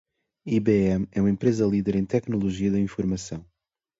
IBM é uma empresa líder em tecnologia da informação.